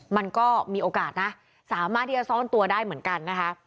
มันก็มีโอกาสนะสามารถที่จะซ่อนตัวได้เหมือนกันนะคะ